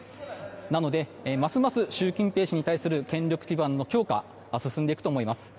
なので、ますます習近平氏に対する権力基盤の強化が進んでいくとみられます。